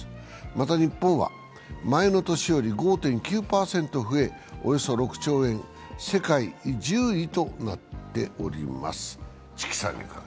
また、日本は前の年より５．９％増え、およそ６兆円、世界１０位となっております。